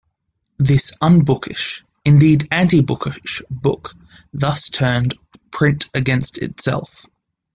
This unbookish-indeed anti-bookish-book thus turned print against itself.